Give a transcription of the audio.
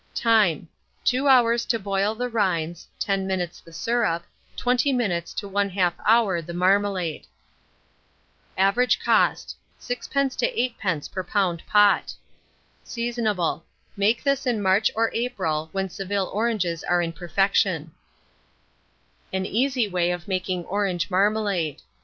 Time. 2 hours to boil the rinds, 10 minutes the syrup, 20 minutes to 1/2 hour the marmalade. Average cost, 6d. to 8d. per lb. pot. Seasonable. Make this in March or April, when Seville oranges are in perfection. AN EASY WAY OF MAKING ORANGE MARMALADE.